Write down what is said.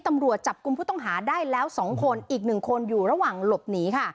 ตำรวจจับกลุ่มผู้ต้องหาได้แล้ว๒คนอีก๑คนอยู่ระหว่างหลบหนีค่ะ